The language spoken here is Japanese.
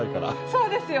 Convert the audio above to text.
そうですよね。